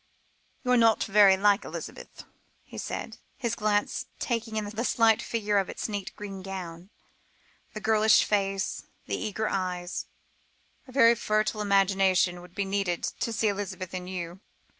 "You are not very like Elizabeth," he said, his glance taking in the slight figure in its neat green gown the girlish face, the eager eyes; "a very fertile imagination would be needed to see Elizabeth in you."